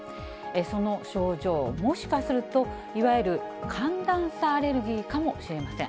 その症状、もしかすると、いわゆる寒暖差アレルギーかもしれません。